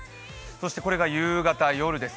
そしてこれが夕方、夜です。